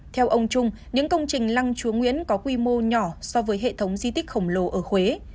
theo ông trung những công trình lăng chúa nguyễn có quy mô nhỏ so với hệ thống di tích khổng lồ ở huế